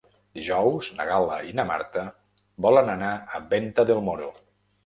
Dijous na Gal·la i na Marta volen anar a Venta del Moro.